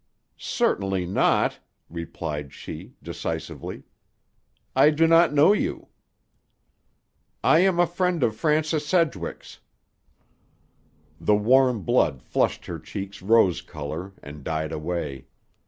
"Certainly not," replied she decisively. "I do not know you." "I am a friend of Francis Sedgwick's." The warm blood flushed her cheeks rose color, and died away.